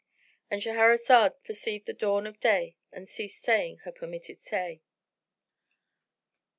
——And Shahrazad perceived the dawn of day and ceased saying her permitted say.